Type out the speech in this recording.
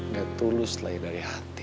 gak tulus lah ya dari hati